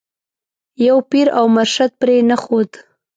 یو پیر او مرشد پرې نه ښود.